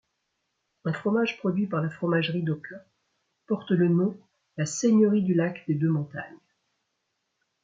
Un fromage produit par la Fromagerie d’Oka porte le nom la Seigneurie du Lac-des-Deux-Montagnes.